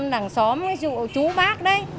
đằng xóm ví dụ chú bác đấy